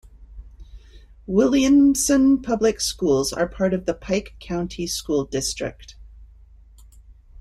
Williamson Public Schools are part of the Pike County School District.